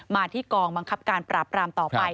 มาที่กองบังคับการปราบรามต่อไป